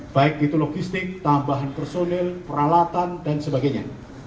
baik itu logistik tambahan personil peralatan dan sebagainya